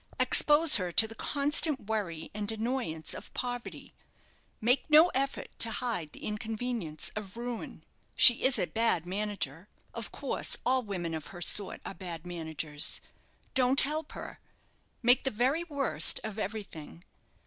Expose her to the constant worry and annoyance of poverty, make no effort to hide the inconvenience of ruin. She is a bad manager, of course all women of her sort are bad managers. Don't help her make the very worst of everything.